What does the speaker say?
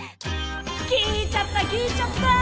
聞いちゃった聞いちゃった！